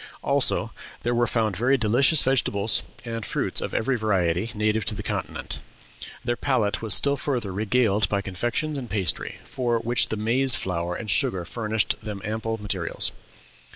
Also, there were found very delicious vegetables and fruits of every variety native to the continent. Their palate was still further regaled by confections and pastry, for which their maize flower and sugar furnished them ample materials.